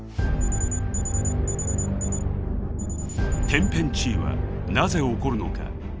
天変地異はなぜ起こるのか？